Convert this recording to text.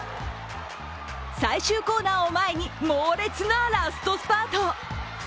最終コーナーを前に猛烈なラストスパート。